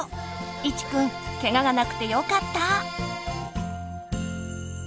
イチくんケガがなくてよかった。